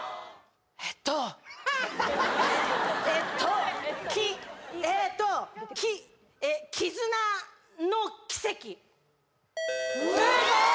えっとえっときえっとき「絆ノ奇跡」正解！